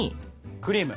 クリーム。